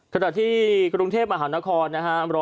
ตั้งแต่วันที่๓เป็นต้นไปครับ